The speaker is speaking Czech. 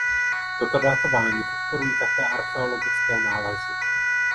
Toto datování podporují také archeologické nálezy.